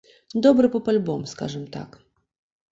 Добры поп-альбом скажам так.